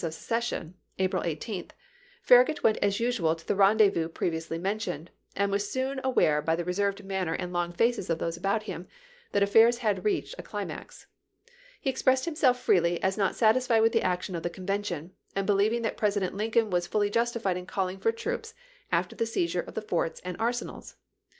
of secession (April 18th), Farragut went as usual to the rendezvous previously mentioned, and was soon aware by the reserved manner and long faces of those about him that affairs had reached a climax. He expressed himself freely as not satisfied with the action of the Convention, and belie\dng that Presi dent Lincoln was fully justified in calling for troops after the seizure of the forts and arsenals.